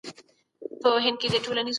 د پلار روغتيا د کور ستنه ده